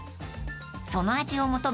［その味を求め